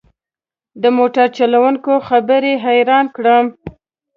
د موټر چلوونکي خبرې حيران کړم.